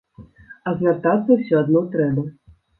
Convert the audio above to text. А звяртацца ўсё адно трэба.